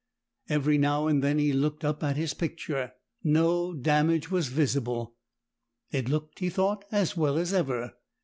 Every now and then he looked up at his picture. No damage was visible; it looked, he thought, as well as ever.